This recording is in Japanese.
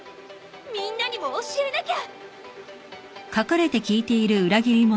みんなにも教えなきゃ！